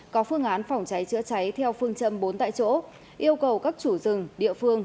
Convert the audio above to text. có phương án phòng cháy chữa cháy theo phương châm bốn tại chỗ yêu cầu các chủ rừng địa phương